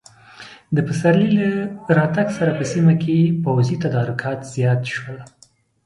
د پسرلي له راتګ سره په سیمه کې پوځي تدارکات زیات شول.